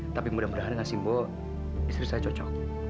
tapi mudah mudahan dengan simbol istri saya cocok